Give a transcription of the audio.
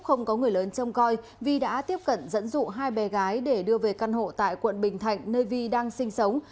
không có người lớn trông coi vi đã tiếp cận dẫn dụ hai bé gái để đưa về căn hộ tại quận bình thạnh nơi vi đang sinh sống